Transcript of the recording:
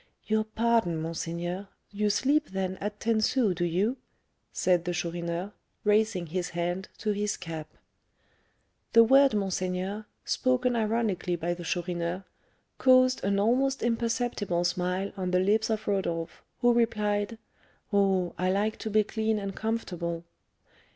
"Your pardon, monseigneur; you sleep, then, at ten sous, do you?" said the Chourineur, raising his hand to his cap. The word monseigneur, spoken ironically by the Chourineur, caused an almost imperceptible smile on the lips of Rodolph, who replied, "Oh, I like to be clean and comfortable."